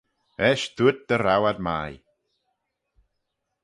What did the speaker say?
Eisht dooyrt dy row ad mie.